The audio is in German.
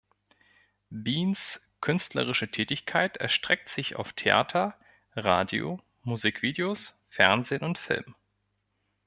Beans künstlerische Tätigkeit erstreckt sich auf Theater, Radio, Musikvideos, Fernsehen und Film.